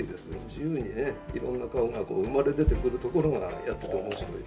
自由にね色んな顔が生まれ出てくるところがやってて面白い。